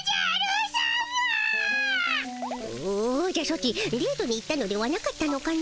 おじゃソチデートに行ったのではなかったのかの？